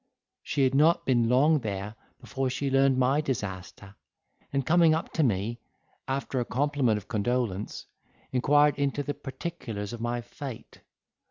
She had not been long there before she learned my disaster, and coming up to me, after a compliment of condolence, inquired into the particulars of my fate.